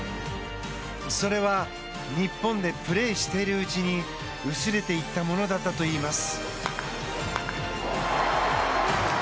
それは日本でプレーしているうちに薄れていったものだったといいます。